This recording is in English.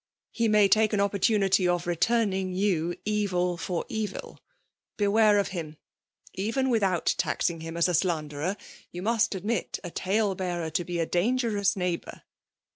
He may take an opportunity of returning you evil for eviL Beware of him. Even without taxing him as a s&uiderer^ you must admit a tale bearer to be a dangerous neighbour?